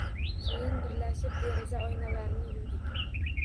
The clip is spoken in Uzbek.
Keyin birgalashib, deraza oynalarini yuvdik